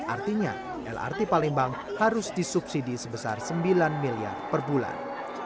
artinya lrt palembang harus disubsidi sebesar sembilan miliar per bulan